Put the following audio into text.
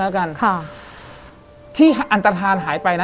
แต่ขอให้เรียนจบปริญญาตรีก่อน